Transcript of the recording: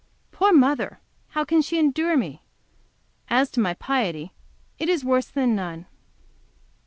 Poor mother! how can she endure me? As to my piety, it is worse than none.